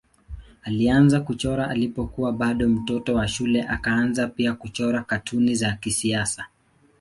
Alianza kuchora alipokuwa bado mtoto wa shule akaanza pia kuchora katuni za kisiasa.